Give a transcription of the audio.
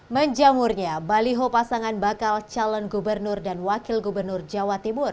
menjamurnya baliho pasangan bakal calon gubernur dan wakil gubernur jawa timur